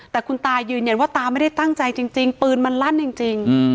แต่คุณตายืนยันว่าตาไม่ได้ตั้งใจจริงปืนมันลั่นจริง